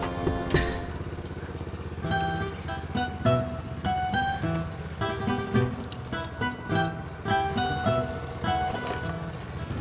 terima kasih bang ojak